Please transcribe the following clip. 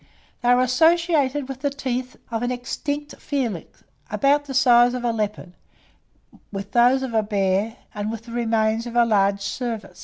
"They were associated with teeth of an extinct felis about the size of a leopard, with those of a bear, and with remains of a large cervus.